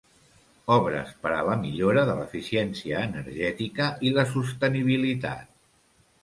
Obres per a la millora de l'eficiència energètica i la sostenibilitat.